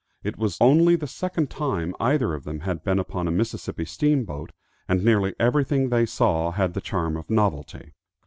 It was only the second time either of them had been upon a Mississippi steamboat, and nearly everything they saw had the charm of novelty.